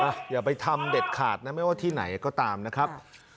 อย่าไปทำเด็ดขาดนะไม่ว่าที่ไหนก็ตามนะครับ